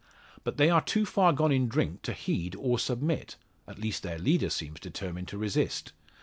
But they are too far gone in drink to heed or submit at least their leader seems determined to resist.